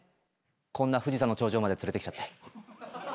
こんな富士山の頂上まで連れてきちゃって。